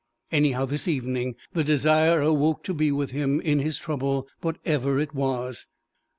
Anyhow this evening the desire awoke to be with him in his trouble whatever it was.